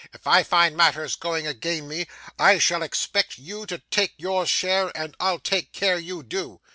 If I find matters going again me, I shall expect you to take your share, and I'll take care you do.